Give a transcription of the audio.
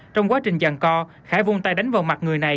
trong quá trình giàn co khải vung tay đánh vào mặt người này